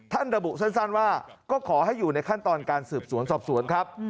ระบุสั้นว่าก็ขอให้อยู่ในขั้นตอนการสืบสวนสอบสวนครับ